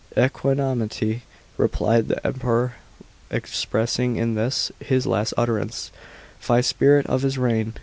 " Equanimity," replied the Emperor, expressing in this, his last utterance, fie spirit of his reign.